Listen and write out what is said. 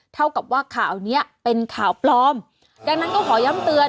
เท่ากับว่าข่าวเนี้ยเป็นข่าวปลอมดังนั้นก็ขอย้ำเตือน